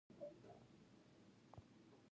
ایا ستاسو نوم به تلپاتې وي؟